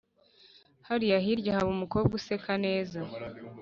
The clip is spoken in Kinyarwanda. Hariya hirya haba umukobwa useka neza